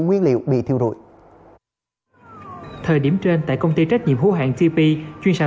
công nhân bị thiêu rụi thời điểm trên tại công ty trách nhiệm húa hoạn tp hcm chuyên sản